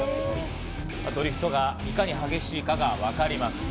ドリフトがいかに激しいかがわかります。